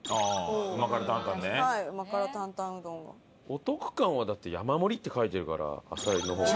お得感はだって「山盛り」って書いてるからあさりの方が。